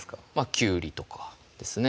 きゅうりとかですね